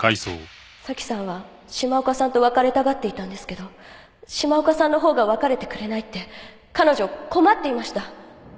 早紀さんは島岡さんと別れたがっていたんですけど島岡さんのほうが別れてくれないって彼女困っていました。